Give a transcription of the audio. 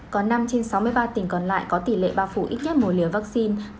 có năm trên sáu mươi ba tỉnh còn lại có tỷ lệ bao phủ ít nhất một liều vaccine